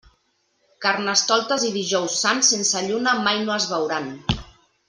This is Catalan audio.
Carnestoltes i Dijous Sant sense lluna mai no es veuran.